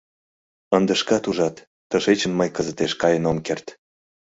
Ынде шкат ужат: тышечын мый кызытеш каен ом керт.